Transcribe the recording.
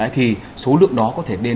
thì số lượng đó có thể đến